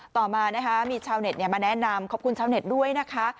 ต่อมานะคะมีชาวเน็ตมาแนะนำขอบคุณชาวเน็ตด้วยนะคะ